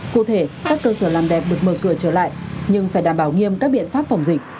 cụ thể các cơ sở làm đẹp được mở cửa trở lại nhưng phải đảm bảo nghiêm các biện pháp phòng dịch